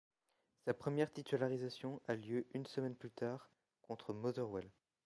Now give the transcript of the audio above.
Sa première titularisation a lieu une semaine plus tard contre Motherwell.